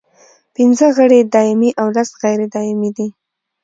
پنځه غړي یې دایمي او لس غیر دایمي دي.